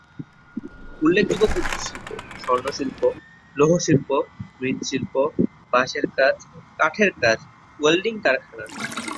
উল্লেখযোগ্য কুটিরশিল্প স্বর্ণশিল্প, লৌহশিল্প, মৃৎশিল্প, বাঁশের কাজ, কাঠের কাজ, ওয়েল্ডিং কারখানা।